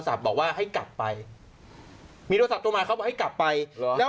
ศัพท์บอกว่าให้กลับไปมีโทรศัพท์โทรมาเขาให้กลับไปแล้ว